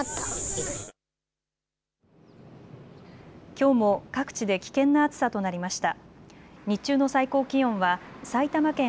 きょうも各地で危険な暑さとなりました。